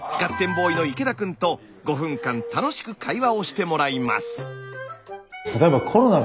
ボーイの池田くんと５分間楽しく会話をしてもらいます。